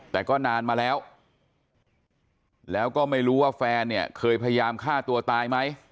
แต่ก็นานมาแล้วแล้วก็ไม่รู้ว่าแฟนเนี่ยเคยพยายามฆ่าตัวตายไหม